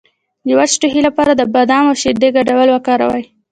د وچ ټوخي لپاره د بادام او شیدو ګډول وکاروئ